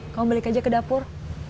kamu balik aja ke dapur